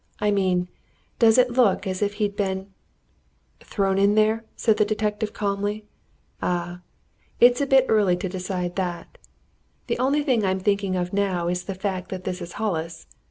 I mean, does it look as if he'd been " "Thrown in there?" said the detective calmly. "Ah! it's a bit early to decide that. The only thing I'm thinking of now is the fact that this is Hollis!